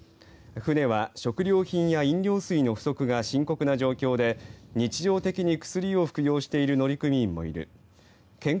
この中で道は、船は食料品や飲料水の不足が深刻な状況で日常的に薬を服用している乗組員もいる。